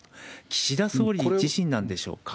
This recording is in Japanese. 岸田総理自身なんでしょうか？